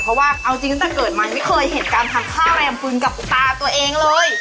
เพราะว่าเอาจริงตั้งแต่เกิดมายังไม่เคยเห็นการทำข้าวแรมฟึงกับตาตัวเองเลย